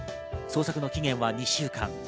捜索の期限は２週間。